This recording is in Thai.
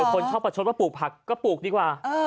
คนชอบประชดว่าปลูกผักก็ปลูกดีกว่า